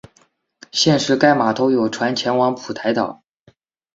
现时该码头有船前往蒲台岛。